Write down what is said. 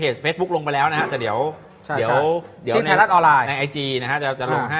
เล็กเล็กเล็กเล็กเล็กเล็กเล็กเล็กเล็กเล็ก